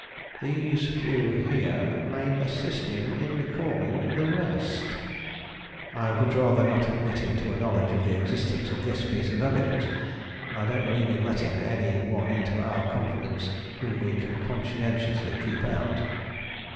"These few here may assist him in recalling the rest." "I would rather not admit him to a knowledge of the existence of this piece of evidence. I don't believe in letting any one into our confidence whom we can conscientiously keep out."